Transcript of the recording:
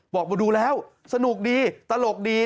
มาดูแล้วสนุกดีตลกดี